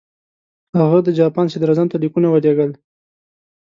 هغه د جاپان صدراعظم ته لیکونه ولېږل.